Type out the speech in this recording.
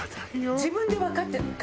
自分でわかってるの。